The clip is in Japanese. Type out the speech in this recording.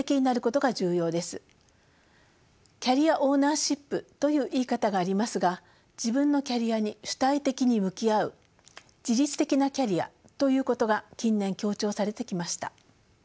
キャリアオーナーシップという言い方がありますが自分のキャリアに主体的に向き合う自律的なキャリアということが近年強調されてきました。